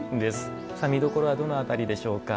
見どころはどの辺りでしょうか？